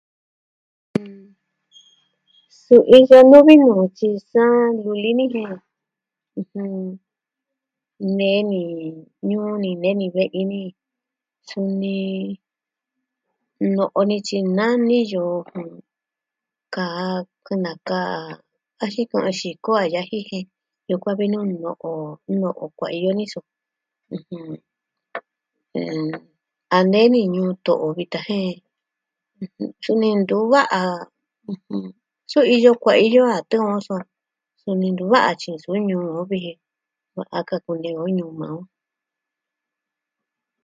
Suu iyo nuvi nuu tyi sa luli ni jen, ɨjɨn... nee ni ñuu ni nee ni ve'i ni. Suni, no'o nityi na niyo jo, kaa ku nakaa, a jin kɨ'ɨn xii koo a yaji jen yukuan vu nuu no'o, no'o kue'e ni so, ɨjɨn... a nee ni ñuu to'o vitan jen tyu ni ntu va'a, tyu iyo kuaiyo a tu'un a o so, suni ntu va'a tyi suu ñuu o viji va a kaku nee o ñuu maa o.